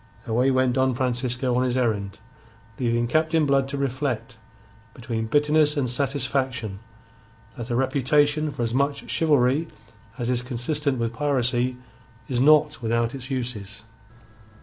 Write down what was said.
Away went Don Francisco on his errand, leaving Captain Blood to reflect, between bitterness and satisfaction, that a reputation for as much chivalry as is consistent with piracy is not without its uses.